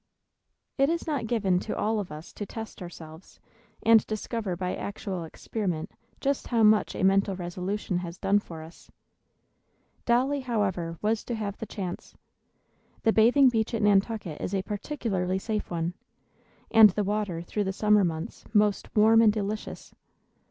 It is not given to all of us to test ourselves, and discover by actual experiment just how much a mental resolution has done for us. Dolly, however, was to have the chance. The bathing beach at Nantucket is a particularly safe one, and the water through the summer months most warm and delicious.